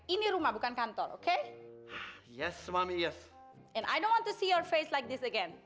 ini rumah bukan kantor oke yes yes